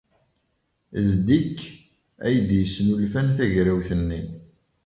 D Dick ay d-yesnulfan tagrawt-nni.